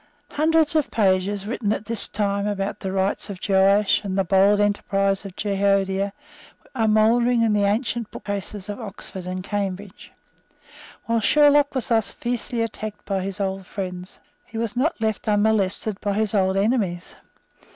Hundreds of pages written at this time about the rights of Joash and the bold enterprise of Jehoiada are mouldering in the ancient bookcases of Oxford and Cambridge. While Sherlock was thus fiercely attacked by his old friends, he was not left unmolested by his old enemies.